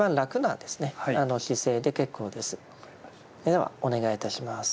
ではお願いいたします。